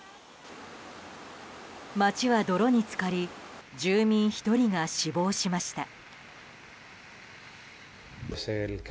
街は泥に浸かり住民１人が死亡しました。